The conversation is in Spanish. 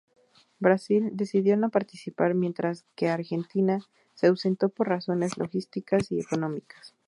Brasil decidió no participar mientras que Argentina se ausentó por razones logísticas y económicas.